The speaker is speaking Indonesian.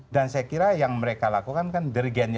dan saya kira yang mereka lakukan kan derigennya